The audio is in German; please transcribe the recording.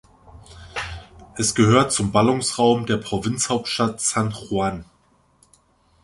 Es gehört zum Ballungsraum der Provinzhauptstadt San Juan.